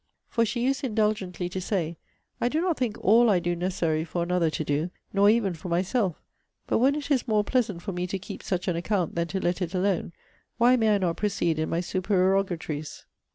For she used indulgently to say, 'I do not think ALL I do necessary for another to do; nor even for myself; but when it is more pleasant for me to keep such an account, than to let it alone, why may I not proceed in my supererogatories?